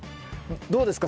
どうですか？